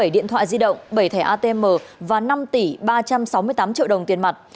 bảy điện thoại di động bảy thẻ atm và năm tỷ ba trăm sáu mươi tám triệu đồng tiền mặt